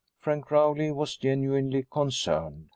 Frank Rowley was genuinely concerned.